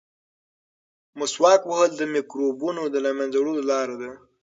مسواک وهل د مکروبونو د له منځه وړلو لاره ده.